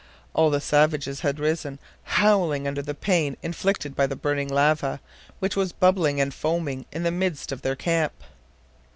All the savages had risen, howling under the pain inflicted by the burning lava, which was bubbling and foaming in the midst of their camp.